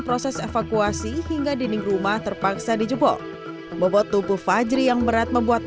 proses evakuasi hingga dinding rumah terpaksa dijebol bobot tubuh fajri yang berat membuat